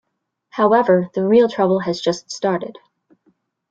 However, the real trouble has just started.